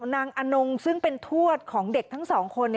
น้องอนงซึ่งเป็นถวดของเด็กทั้ง๒คน